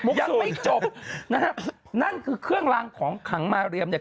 มุกศูนย์ยังไม่จบนะครับนั่นคือเครื่องรางของขังมาเรียมเนี่ย